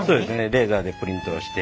レーザーでプリントをして。